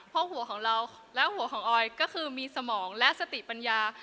เพราะหัวของเราและหัวของออยก็คือมีสมองและสติปัญญา